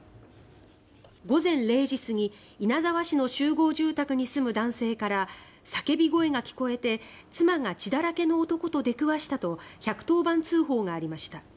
午前０時過ぎ稲沢市の集合住宅に住む男性から叫び声が聞こえて妻が血だらけの男と出くわしたと１１０番通報がありました。